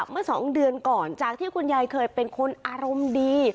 เมื่อ๒เดือนก่อนจากที่คุณยายเคยเป็นคนอารมณ์ดี